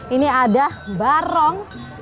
ini ada barong